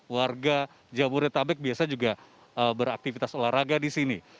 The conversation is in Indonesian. warga jabodetabek biasa juga beraktivitas olahraga di sini